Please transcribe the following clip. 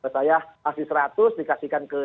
saya kasih seratus dikasihkan ke